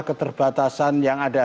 keterbatasan yang ada